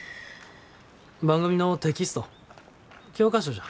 番組のテキスト教科書じゃ。